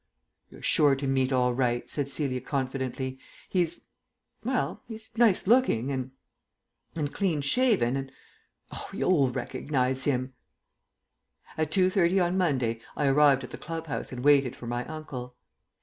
"You're sure to meet all right," said Celia confidently. "He's well, he's nice looking and and clean shaven and, oh, you'll recognize him." At 2.30 on Monday I arrived at the club house and waited for my uncle.